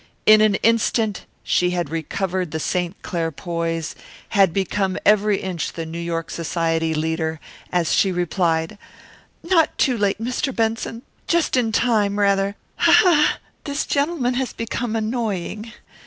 In an instant she had recovered the St. Clair poise, had become every inch the New York society leader, as she replied, "Not too late, Mr. Benson! Just in time, rather. Ha, ha! This this gentleman has become annoying.